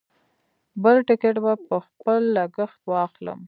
بل ټکټ به په خپل لګښت واخلم.